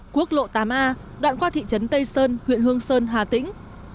quốc lộ tám a đoạn qua thị trấn tây sơn huyện hương sơn hà tĩnh